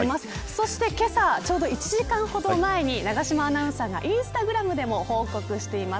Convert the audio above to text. そして、けさ１時間ほど前に永島アナウンサーがインスタグラムでも報告しています。